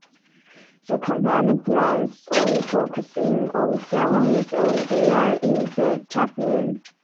The company plans on focusing on selling its own beers in the taproom.